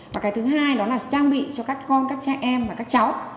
và cái thứ hai đó là trang bị cho các con các cha em và các cháu